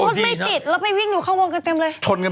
รถไม่ติดเราไปวิ่งอยู่เข้าวงกันเต็มเลย